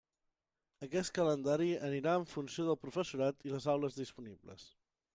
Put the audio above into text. Aquest calendari anirà en funció del professorat i les aules disponibles.